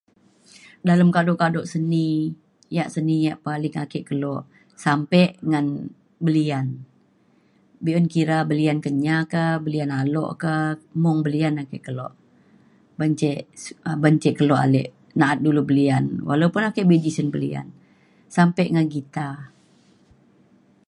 dalem kado kado seni yak seni yak paling ake kelo sampe ngan belian be'un kira belian Kenyah ka belian alok ka mung belian ake kelo ban ce ban ce kelo ale na'at dulu belian walaupun ake be tisen belian sampe ngan guitar